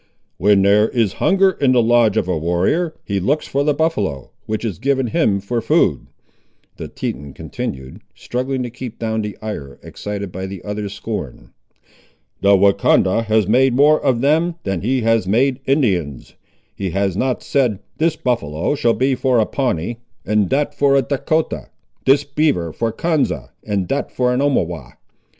"When there is hunger in the lodge of a warrior, he looks for the buffaloe, which is given him for food," the Teton continued, struggling to keep down the ire excited by the other's scorn. "The Wahcondah has made more of them than he has made Indians. He has not said, This buffaloe shall be for a Pawnee, and that for a Dahcotah; this beaver for Konza, and that for an Omawhaw.